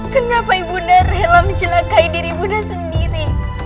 kenapa ibu nanda rela mencelakai diri ibu nanda sendiri